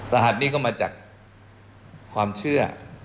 รหัสนี้ก็มาจากความเชื่อ